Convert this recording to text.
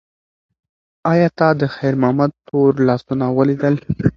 ایا تا د خیر محمد تور لاسونه ولیدل؟